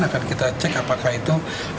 akan kita cek apakah itu